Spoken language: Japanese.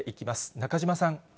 中島さん。